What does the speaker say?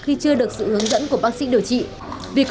khi chưa được sự hướng dẫn của bác sĩ điều trị